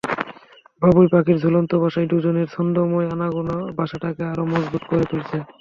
বাবুই পাখির ঝুলন্ত বাসায় দুজনের ছন্দময় আনাগোনা বাসাটাকে আরও মজবুত করে তুলছে।